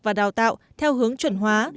và đào tạo theo hướng chuẩn hóa